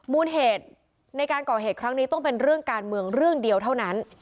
มูลเหตุในการก่อเหตุครั้งนี้ต้องเป็นเรื่องการเมืองเรื่องเดียวเท่านั้น